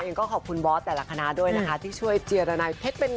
เราก็ขอบคุณบ็อสแต่ละคณะด้วยนะคะที่ช่วยเจียรนายเทศเผ็ดเกิ่ม